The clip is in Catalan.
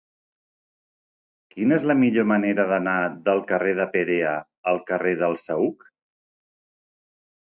Quina és la millor manera d'anar del carrer de Perea al carrer del Saüc?